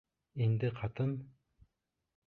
Инде ҡатын: